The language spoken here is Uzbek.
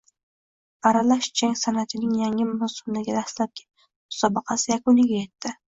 Aralash jang san’atlarining yangi mavsumdagi dastlabki musobaqasi yakuniga yetdi